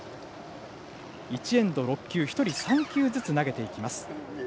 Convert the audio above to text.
１エンド６球、１人３球ずつ投げていきます。